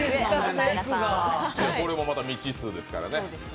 これもまた未知数ですからね。